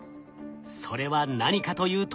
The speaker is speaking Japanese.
それは何かというと。